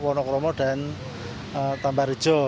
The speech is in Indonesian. wonokromo dan tambak rejo